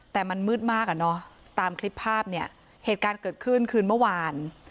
แต่มันมืดมากอ่ะเนอะตามคลิปภาพเนี่ยเหตุการณ์เกิดขึ้นคืนเมื่อวาน